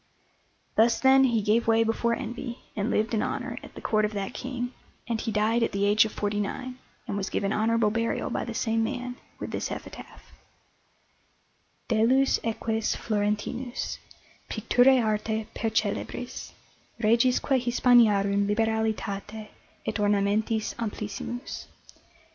Thus, then, he gave way before envy, and lived in honour at the Court of that King; and he died at the age of forty nine, and was given honourable burial by the same man, with this epitaph: DELLUS EQUES FLORENTINUS PICTURÆ ARTE PERCELEBRIS REGISQUE HISPANIARUM LIBERALITATE ET ORNAMENTIS AMPLISSIMUS.